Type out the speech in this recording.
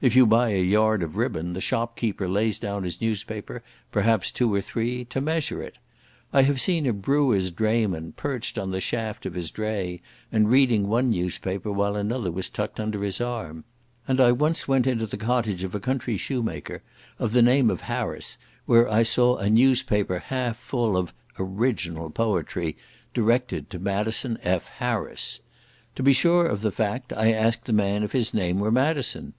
If you buy a yard of ribbon, the shopkeeper lays down his newspaper, perhaps two or three, to measure it. I have seen a brewer's drayman perched on the shaft of his dray and reading one newspaper, while another was tucked under his arm; and I once went into the cottage of a country shoemaker, of the name of Harris, where I saw a newspaper half full of "original" poetry, directed to Madison F. Harris. To be sure of the fact, I asked the man if his name were Madison.